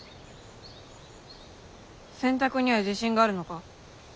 洗濯には自信があるのか？